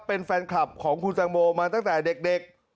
เป็นแฟนคลับของคุณตังโมมาตั้งแต่เด็ก